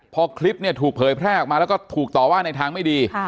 พอคลิปเนี่ยถูกเผยแพร่ออกมาแล้วก็ถูกต่อว่าในทางไม่ดี